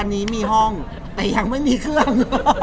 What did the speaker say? อันนี้มีห้องแต่ยังไม่มีเครื่อง